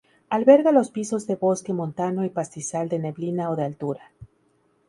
Alberga los pisos de bosque montano y pastizal de neblina o de altura.